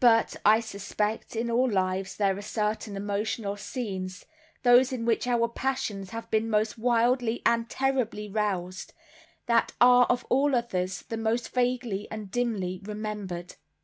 But, I suspect, in all lives there are certain emotional scenes, those in which our passions have been most wildly and terribly roused, that are of all others the most vaguely and dimly remembered.